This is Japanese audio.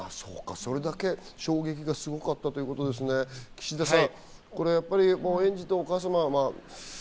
それだけ衝撃がすごかったということですね、岸田さん。